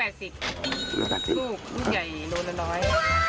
ลูกใหญ่ลูกน้อย